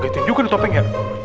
gede juga nih topengnya